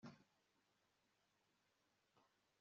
Ndicuza kuba ntashobora kujyana nawe